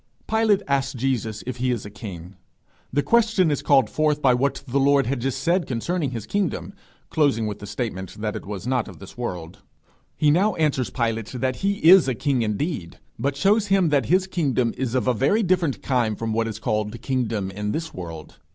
Pilate asks Jesus if he is a king. The question is called forth by what the Lord had just said concerning his kingdom, closing with the statement that it was not of this world. He now answers Pilate that he is a king indeed, but shows him that his kingdom is of a very different kind from what is called kingdom in this world.